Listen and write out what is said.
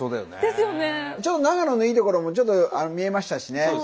長野のいいところもちょっと見えましたしね。